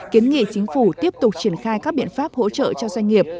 kiến nghị chính phủ tiếp tục triển khai các biện pháp hỗ trợ cho doanh nghiệp